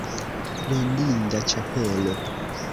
Plendinda ĉapelo!